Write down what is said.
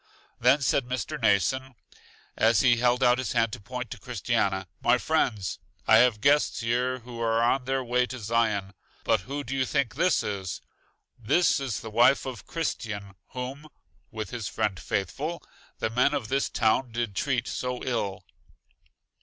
Then said Mr. Mnason, as he held out his hand to point to Christiana: My friends, I have guests here who are on their way to Zion. But who do you think this is? This is the wife of Christian whom (with his friend Faithful) the men of this town did treat so ill.